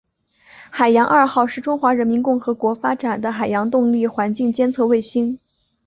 海洋二号是中华人民共和国发展的海洋动力环境监测卫星。